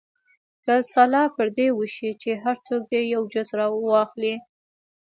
که سلا پر دې وشي چې هر څوک دې یو جز راواخلي.